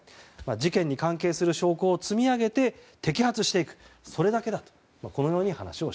事件に関係する証拠を積み上げて摘発していく、それだけだと。